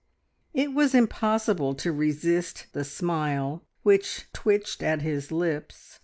It was impossible to resist the smile which twitched at his lips.